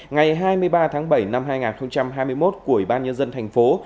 ngày hai mươi ba tháng bảy năm hai nghìn hai mươi một của ủy ban nhân dân thành phố